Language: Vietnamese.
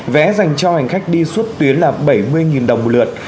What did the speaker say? vé dành cho hành khách đi suốt tuyến là bảy mươi đồng một lượt